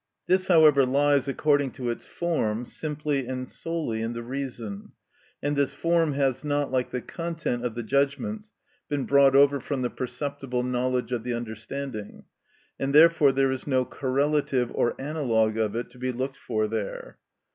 This, however, lies, according to its form, simply and solely in the reason, and this form has not, like the content of the judgments, been brought over from the perceptible knowledge of the understanding, and therefore there is no correlative or analogue of it to be looked for there.